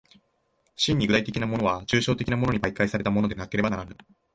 真に具体的なものは抽象的なものに媒介されたものでなければならぬ。